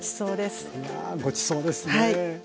うわごちそうですね！